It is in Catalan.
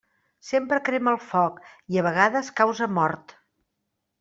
Sempre crema el foc i a vegades causa mort.